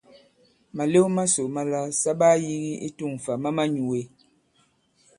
Màlew masò màlà sa ɓaa yīgi i tu᷇ŋ fâ ma manyūe.